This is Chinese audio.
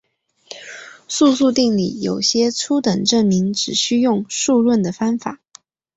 素数定理有些初等证明只需用数论的方法。